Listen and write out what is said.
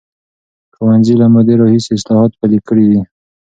ښوونځي له مودې راهیسې اصلاحات پلي کړي دي.